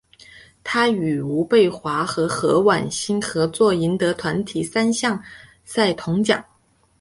他与吴蓓华和何苑欣合作赢得团体三项赛铜牌。